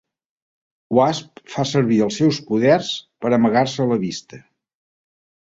Wasp fa servir els seus poders per amagar-se a la vista.